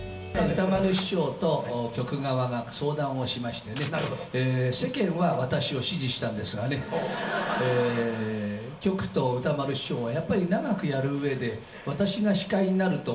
歌丸師匠と局側が相談をしましてね、世間は私を支持したんですがね、局と歌丸師匠は、やっぱり長くやるうえで、私が司会になると、